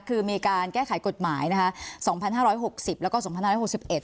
คือมีการแก้ไขกฎหมายนะคะสองพันห้าร้อยหกสิบแล้วก็สองพันห้าร้อยหกสิบเอ็